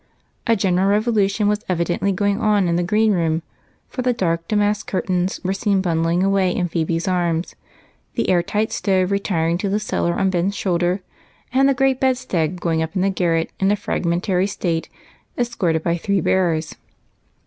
A general revolution was evidently going on in the green room, for the dark damask curtains were seen bundling away in Phebe's arms ; the air tight stove retiring to the cellar on Ben's shoulder ; and the great bedstead going up garret in a fragmentary state, escorted by three bearers.